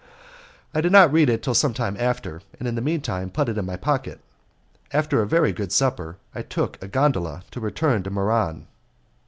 I did not read it till some time after, and in the mean time put it in my pocket. After a very good supper I took a gondola to return to Muran.